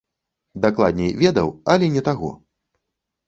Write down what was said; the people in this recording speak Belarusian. Дакладней ведаў, але не таго.